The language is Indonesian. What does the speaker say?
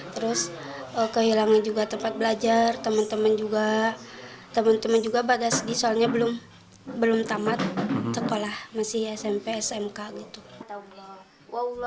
terus kehilangan juga tempat belajar teman teman juga pada segi soalnya belum tamat sekolah masih smp smk